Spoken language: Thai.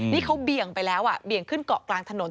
นี่เขาเบี่ยงไปแล้วเบี่ยงขึ้นเกาะกลางถนน